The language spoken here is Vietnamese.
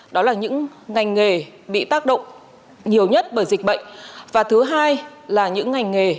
đó là những ngành nghề bị tác động nhiều nhất bởi dịch bệnh và thứ hai là những ngành nghề